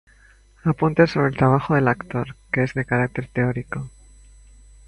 Apuntes sobre el trabajo del actor", que es de carácter teórico.